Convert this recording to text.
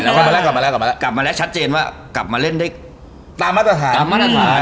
กลับมาแล้วชัดเจนว่ากลับมาเล่นได้ตามมาตรฐาน